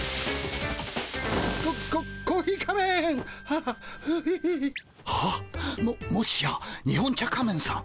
はっ！ももしや日本茶仮面さん